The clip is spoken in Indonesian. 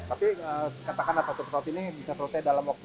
tapi katakanlah satu pesawat ini bisa selesai dalam waktu